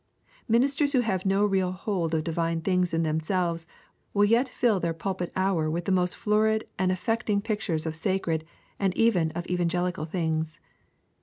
Ministers who have no real hold of divine things in themselves will yet fill their pulpit hour with the most florid and affecting pictures of sacred and even of evangelical things.